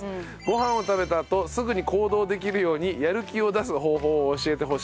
ご飯を食べたあとすぐに行動できるようにやる気を出す方法を教えてほしいです。